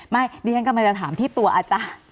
ดิฉันกำลังจะถามที่ตัวอาจารย์